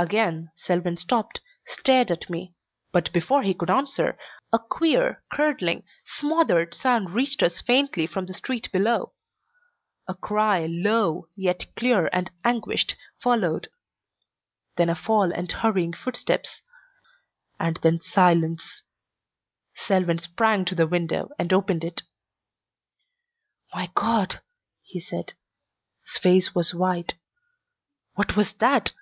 Again Selwyn stopped, stared at me, but before he could answer a queer, curdling, smothered sound reached us faintly from the street below. A cry low, yet clear and anguished, followed. Then a fall and hurrying footsteps, and then silence. Selwyn sprang to the window and opened it. "My God!" he said. His face was white. "What was that?"